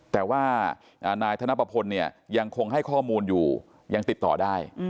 แต่ว่านายธนปะพลเนี่ยยังคงให้ข้อมูลอยู่ยังติดต่อได้